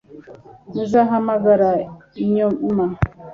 Nzahamagara nyuma